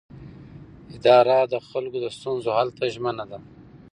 اداره د خلکو د ستونزو حل ته ژمنه ده.